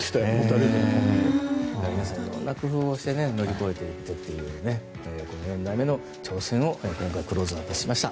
皆さんいろんな工夫をして乗り越えているという４代目の挑戦をクローズアップしました。